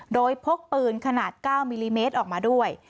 โดยพกปืนขนาด๙มิลลิเมตรออกมาด้วย